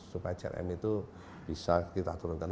supaya clm itu bisa kita turunkan